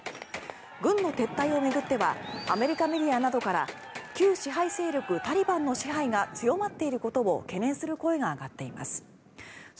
軍の撤退を巡ってはアメリカメディアなどから旧支配勢力タリバンの支配が強まっていることを懸念する声が上がっています。